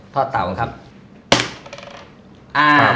ทองอย่างคำ